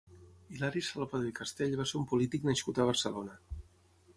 Hilari Salvadó i Castell va ser un polític nascut a Barcelona.